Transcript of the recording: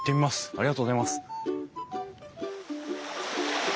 ありがとうございます。